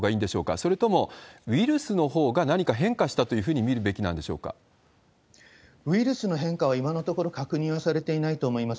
それともウイルスのほうが何か変化したというふうに見るべきなんウイルスの変化は今のところ確認はされていないと思います。